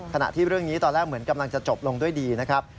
ขณะที่เรื่องนี้ตอนแรกเหมือนกำลังจะจบลงด้วยดีนะครับ